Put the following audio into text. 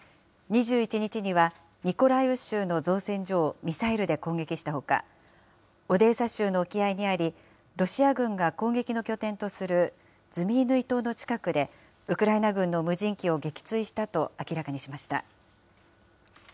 ２１日には、ミコライウ州の造船所をミサイルで攻撃したほか、オデーサ州の沖合にあり、ロシア軍が攻撃の拠点とするズミイヌイ島の近くで、ウクライナ軍の無人機を撃墜したと明らかにしました。